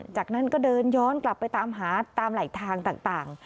จากนั้นก็เดินย้อนกลับไปตามหาตามไหลทางต่าง